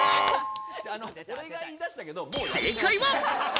正解は。